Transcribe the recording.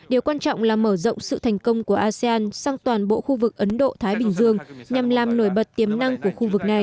điều quan trọng là mở rộng sự thành công của asean sang toàn bộ khu vực ấn độ thái bình dương nhằm làm nổi bật tiềm năng của khu vực này